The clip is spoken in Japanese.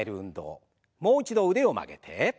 もう一度腕を曲げて。